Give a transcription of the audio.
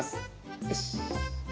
よし。